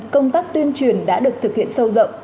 công tác tuyên truyền đã được thực hiện sâu rộng